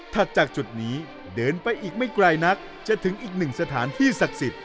จากจุดนี้เดินไปอีกไม่ไกลนักจะถึงอีกหนึ่งสถานที่ศักดิ์สิทธิ